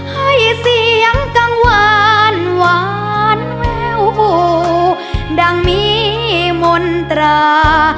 ให้เสียงกังวานหวานแววบูดังมีมนตรา